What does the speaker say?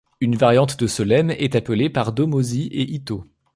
Un variante de ce lemme est appelée par Dömösi et Ito.